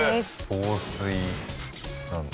防水なんだ。